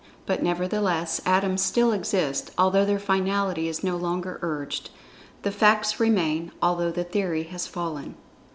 But, nevertheless, Atoms still exist, although their finality is no longer urged. The facts remain, although the theory has fallen.